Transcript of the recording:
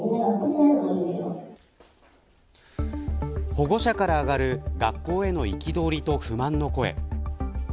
保護者から上がる学校への憤りと不満の声。